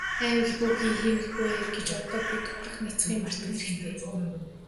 АЙвал бүү хий, хийвэл бүү ай гэж одоо бид ухрах няцахыг мартах хэрэгтэй.